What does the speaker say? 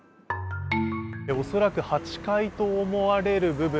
恐らく８階と思われる部分